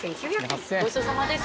ごちそうさまです。